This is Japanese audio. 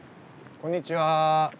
こんにちは。